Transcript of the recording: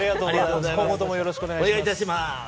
今後ともよろしくお願いします。